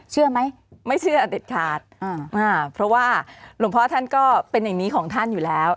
เชื่อไหมไม่เชื่อเด็ดขาดเพราะว่าหลวงพ่อท่านก็เป็นอย่างนี้ของท่านอยู่แล้ว